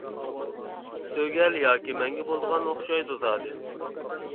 سۆگەل ياكى مەڭگە بولىدىغان ئوخشايدۇ زادى.